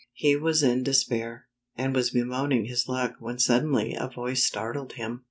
He was in despair, and was bemoaning his luck wh«i suddenly a yoice startled him.